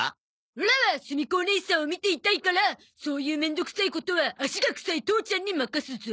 オラは澄子おねいさんを見ていたいからそういう面倒くさいことは足が臭い父ちゃんに任すゾ。